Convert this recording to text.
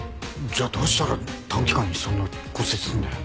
じゃあどうしたら短期間にそんな骨折すんだよ。